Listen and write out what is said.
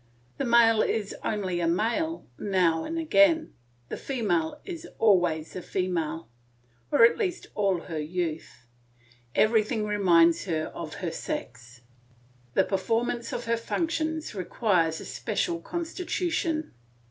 The male is only a male now and again, the female is always a female, or at least all her youth; everything reminds her of her sex; the performance of her functions requires a special constitution.